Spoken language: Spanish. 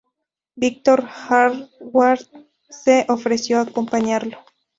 Víctor Hayward se ofreció a acompañarlo.